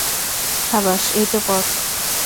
সাবাস্, এই তো পথ।